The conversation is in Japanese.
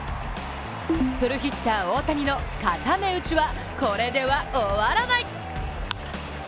プルヒッター大谷の固め打ちはこれでは終わらない！